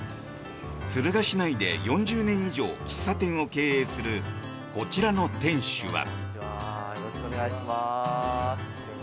敦賀市内で４０年以上喫茶店を経営するこちらの店主は。